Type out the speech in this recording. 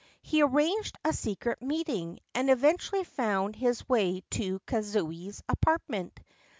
He arranged a secret meeting, and eventually found his way to Kazuye's apartment.